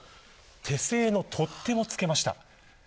手製の取っ手も付けました。